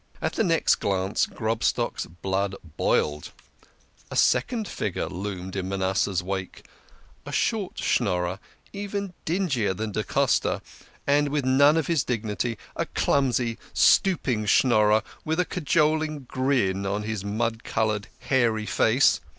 At the next glance Grobstock's blood boiled. A second figure loomed in Manasseh's wake a short Schnorijer, even dingier than da Costa, and with none of his dignity, a clumsy, stooping Schnorrer, with a cajoling grin on his mud coloured, hairy face.